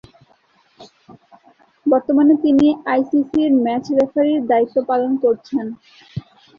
বর্তমানে তিনি আইসিসি’র ম্যাচ রেফারির দায়িত্ব পালন করছেন।